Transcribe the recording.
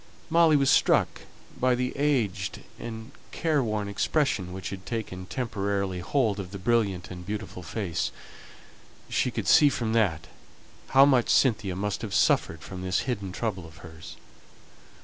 Molly was struck by the aged and careworn expression which had taken temporary hold of the brilliant and beautiful face; she could see from that how much Cynthia must have suffered from this hidden trouble of hers.